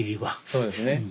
そうですね。